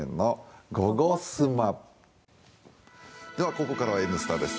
ここからは「Ｎスタ」です。